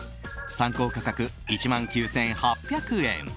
参考価格１万９８００円。